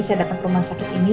saya datang ke rumah sakit ini